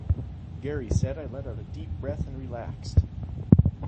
Geary said I let out a deep breath and relaxed.